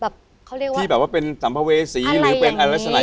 แบบเขาเรียกว่าที่แบบว่าเป็นสัมภเวษีหรือเป็นอะไรอย่างงั้น